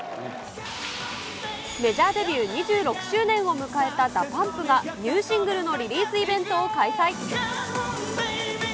メジャーデビュー２６周年を迎えたＤＡＰＵＭＰが、ニューシングルのリリースイベントを開催。